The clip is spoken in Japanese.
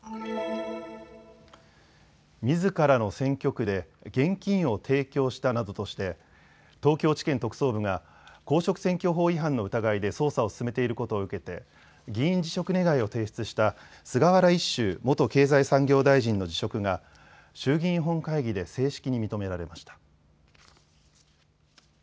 みずからの選挙区で現金を提供したなどとして東京地検特捜部が公職選挙法違反の疑いで捜査を進めていることを受けて議員辞職願を提出した菅原一秀元経済産業大臣の辞職が衆議院本会議で正式に認められました。